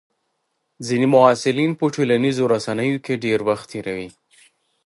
ځینې محصلین په ټولنیزو رسنیو کې ډېر وخت تېروي.